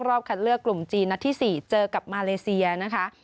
คัดเลือกกลุ่มจีนนัดที่๔เจอกับมาเลเซียนะคะ